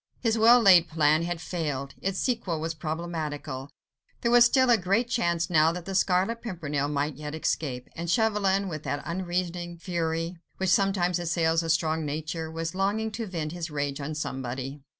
His well laid plan had failed, its sequel was problematical; there was still a great chance now that the Scarlet Pimpernel might yet escape, and Chauvelin, with that unreasoning fury, which sometimes assails a strong nature, was longing to vent his rage on somebody.